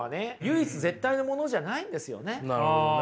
なるほどね。